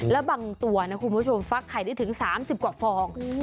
แล้วบางตัวนะคุณผู้ชมฟักไข่ได้ถึง๓๐กว่าฟอง